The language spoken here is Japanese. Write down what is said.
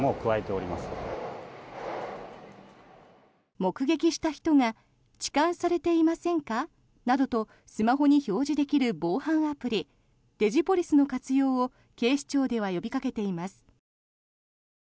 目撃した人が痴漢されていませんか？などとスマホに表示できる防犯アプリデジポリスの活用を警視庁では呼びかけています。